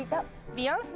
ビヨン酢！？